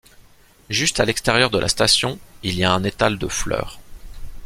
Juste à l'extérieur de la station il y a un étal de fleurs.